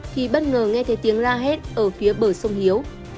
thì bất ngờ nghe thấy tiếng la hét ở phía bờ sông hiếu